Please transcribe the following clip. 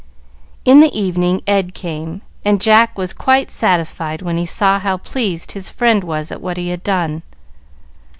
In the evening Ed came, and Jack was quite satisfied when he saw how pleased his friend was at what he had done.